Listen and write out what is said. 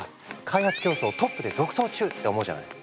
開発競争トップで独走中って思うじゃない？